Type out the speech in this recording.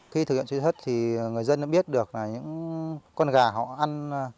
khi thực hiện truy xuất thì người dân đã biết được là những con gà họ ăn